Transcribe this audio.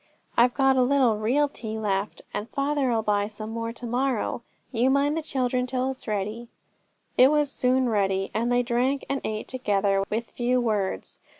I've got a little real tea left, and father 'll buy some more to morrow. You mind the children till it's ready.' It was soon ready, and they drank and ate together, with few words.